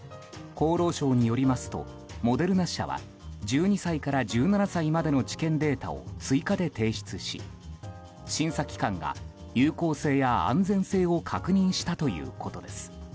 厚労省によりますとモデルナ社は１２歳から１７歳までの治験データを追加で提出し審査機関が有効性や安全性を確認したということです。